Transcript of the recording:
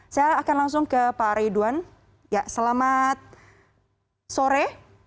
saya akan langsung ke pak ridwan selamat sore